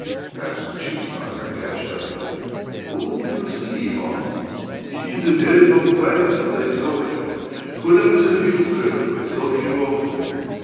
asked the chief miner, catching him up. "Whom do you see, Ivan?" "It is a very long time since I saw Him. When I was a little fellow, I saw him often.